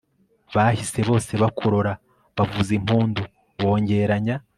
bahise bose bakurora bavuza impundu bongeranya